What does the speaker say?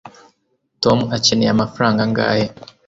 tom akeneye amafaranga angahe